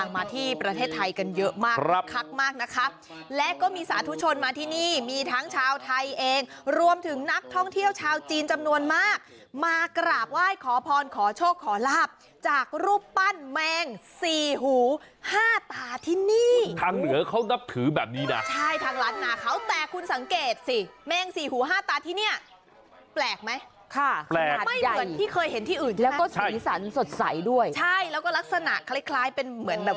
มาที่ประเทศไทยกันเยอะมากคักมากนะครับและก็มีสาธุชนมาที่นี่มีทั้งชาวไทยเองรวมถึงนักท่องเที่ยวชาวจีนจำนวนมากมากราบไหว้ขอพรขอโชคขอรับจากรูปปั้นแมงสี่หูห้าตาที่นี่ทางเหนือเขานับถือแบบนี้นะใช่ทางลัดหน้าเขาแต่คุณสังเกตสิแมงสี่หูห้าตาที่นี่แปลกไหมค่ะแปลกไม่เหมือนที่เคยเห